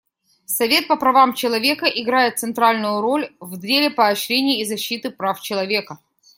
Совет по правам человека играет центральную роль в деле поощрения и защиты прав человека.